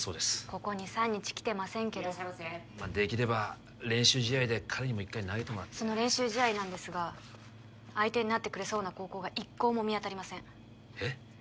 ここ２３日来てませんけどまあできれば練習試合で彼にも一回投げてもらってその練習試合なんですが相手になってくれそうな高校が一校も見当たりませんえっ？